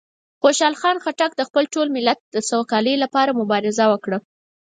خوشحال خان خټک د خپل ټول ملت د سوکالۍ لپاره مبارزه وکړه.